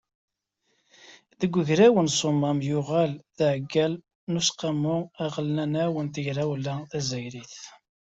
Deg ugraw n Ṣṣumam yuɣal d aɛeggal n Useqqamu Aɣelnaw n Tegrawla Tazzayrit.